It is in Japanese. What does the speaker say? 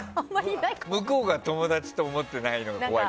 向こうが友達と思ってないのが怖いとか？